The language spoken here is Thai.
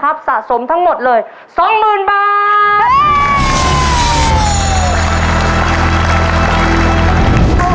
หัวหนึ่งหัวหนึ่ง